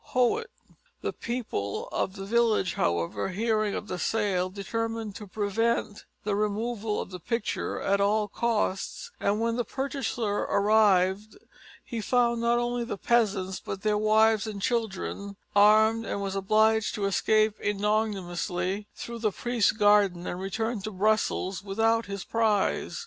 Hoët. The people of the village, however, hearing of the sale, determined to prevent the removal of the picture at all costs, and when the purchaser arrived he found not only the peasants, but their wives and children, armed, and was obliged to escape ignominiously through the priest's garden and return to Brussels without his prize.